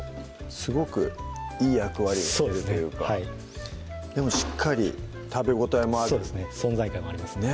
すごくいい役割をしてるというかでもしっかり食べ応えもある存在感があります